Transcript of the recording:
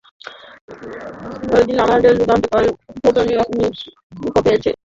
ঐদিন আমাদের যুগান্তকারী উদ্বোধনী তে আপনি উপস্থিত হতে না পারায় দুঃখ পেয়েছি।